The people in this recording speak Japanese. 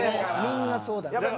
みんなそうだった。